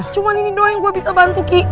cuman ini doang yang gue bisa bantu ki